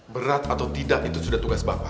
berat atau tidak itu sudah tugas bapak